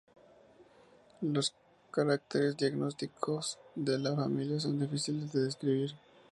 Los caracteres diagnósticos de la familia son difíciles de describir.